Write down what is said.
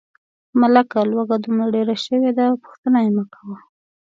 ملکه لوږه دومره ډېره شوې ده، پوښتنه یې مکوه.